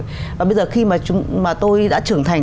nhưng mà bây giờ khi mà tôi đã trưởng thành